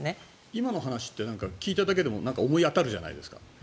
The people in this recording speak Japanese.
今の話って聞いただけでも思い当たるじゃないですか。